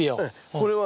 これはね